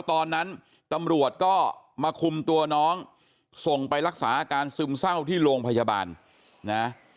ตอนนั้นตำรวจก็มาคุมตัวน้องส่งไปรักษาอาการซึมเศร้าที่โรงพยาบาลนะ